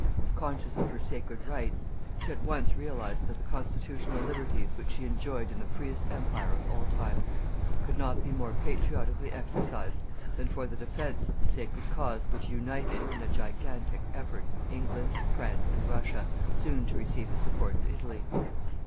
Conscious of her sacred rights, she at once realized that the constitutional liberties which she enjoyed in the freest Empire of all times, could not be more patriotically exercised than for the defence of the sacred cause which united in a gigantic effort England, France and Russia, soon to receive the support of Italy.